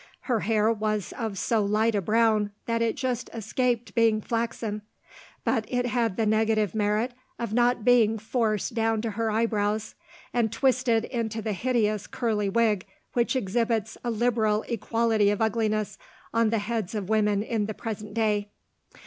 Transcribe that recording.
Her hair was of so light a brown that it just escaped being flaxen; but it had the negative merit of not being forced down to her eyebrows, and twisted into the hideous curly wig which exhibits a liberal equality of ugliness on the heads of women in the present day.